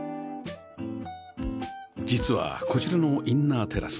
実はこちらのインナーテラス